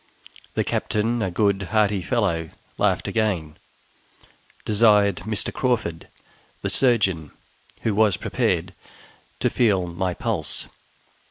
The captain (a good hearty fellow) laughed again, desired Mr. Crawford, the surgeon, who was prepared, to feel my pulse.